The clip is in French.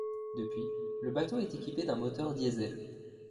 Depuis, le bateau est équipé d'un moteur diesel.